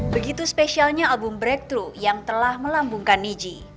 begitu spesialnya album breakthrough yang telah melambungkan niji